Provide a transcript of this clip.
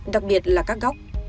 đặc biệt là các góc